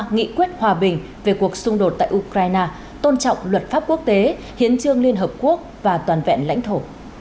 nghị quyết hòa bình về cuộc xung đột tại ukraine tôn trọng luật pháp quốc tế hiến trương liên hợp quốc và toàn vẹn lãnh thổ